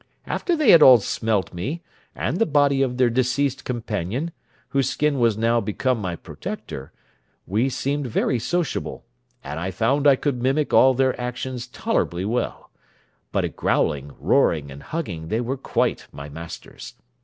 After they had all smelt me, and the body of their deceased companion, whose skin was now become my protector, we seemed very sociable, and I found I could mimic all their actions tolerably well; but at growling, roaring, and hugging they were quite my masters.